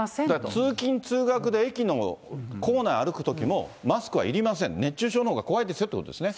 通勤・通学で駅の構内歩くときも、マスクはいりません、熱中症のほうが怖いですよということですね。